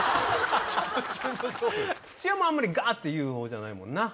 土屋もあんまりガッて言うほうじゃないもんな？